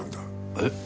えっ。